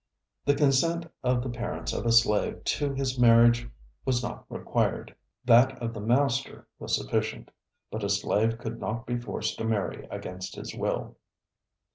The consent of the parents of a slave to his marriage was not required. That of the master was sufficient, but a slave could not be forced to marry against his will.